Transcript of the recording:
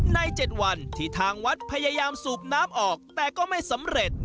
๗วันที่ทางวัดพยายามสูบน้ำออกแต่ก็ไม่สำเร็จ